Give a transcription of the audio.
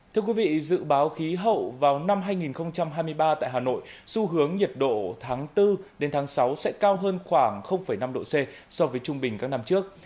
thưa quý vị dự báo khí hậu vào năm hai nghìn hai mươi ba tại hà nội xu hướng nhiệt độ tháng bốn đến tháng sáu sẽ cao hơn khoảng năm độ c so với trung bình các năm trước